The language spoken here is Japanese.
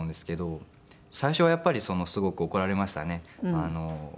最初はやっぱりすごく怒られましたね。